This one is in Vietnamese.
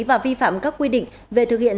và vi phạm các quy định về thực hiện